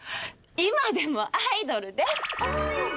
今でもアイドルです！